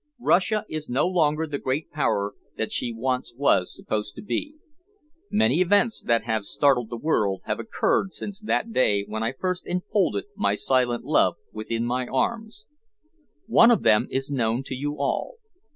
Russia is no longer the great power that she once was supposed to be. Many events that have startled the world have occurred since that day when I first enfolded my silent love within my arms. One of them is known to you all.